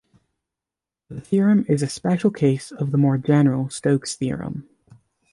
The theorem is a special case of the more general Stokes' theorem.